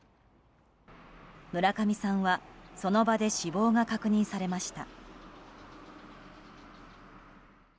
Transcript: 村上さんは、その場で死亡が確認されました。